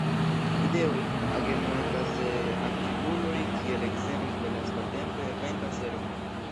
Ideoj, agemo ekas de aktivuloj kiel ekzemple lastatempe Eventa Servo.